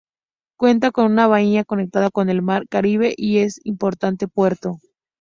Cuenta con una bahía conectada con el mar Caribe y es un importante puerto.